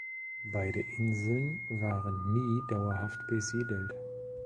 Beide Inseln waren nie dauerhaft besiedelt.